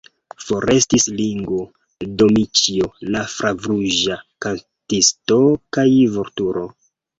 Forestis Ringo, Dmiĉjo, la flavruĝa kantisto kaj Vulturo!